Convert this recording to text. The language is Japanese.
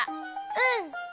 うん。